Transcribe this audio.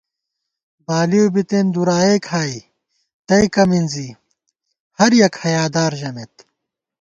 بالِؤ بِتېن دُرائےکھائی تئیکہ مِنزی ہر یَک حیادار ژَمېت